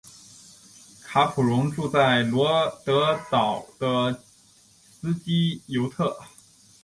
卡普荣住在罗德岛的斯基尤特。